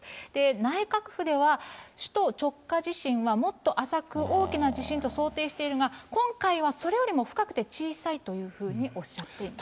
内閣府では、首都直下地震はもっと浅く大きな地震と想定しているが、今回はそれよりも深くて小さいというふうにおっしゃっています。